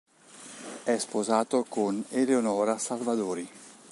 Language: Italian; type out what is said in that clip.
È sposato con Eleonora Salvadori.